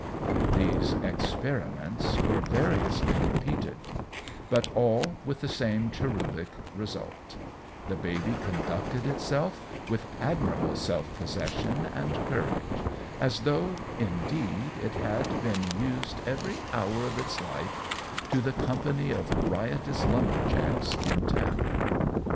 These experiments were variously repeated, but all with the same cherubic result; the baby conducted itself with admirable self possession and courage, as though, indeed, it had been used, every hour of its life, to the company of riotous lumber jacks in town.